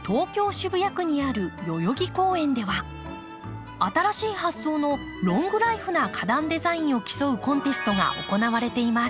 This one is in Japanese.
渋谷区にある代々木公園では新しい発想のロングライフな花壇デザインを競うコンテストが行われています。